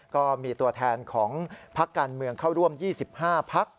ก็มีตัวแทนของพักการเมืองเข้าร่วม๒๕พัก